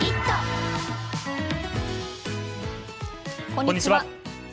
こんにちは。